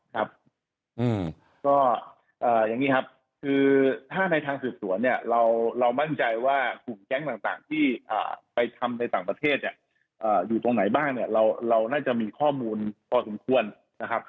ครับก็อย่างนี้ครับคือถ้าในทางสืบสวนเนี่ยเรามั่นใจว่ากลุ่มแก๊งต่างที่ไปทำในต่างประเทศเนี่ยอยู่ตรงไหนบ้างเนี่ยเราน่าจะมีข้อมูลพอสมควรนะครับ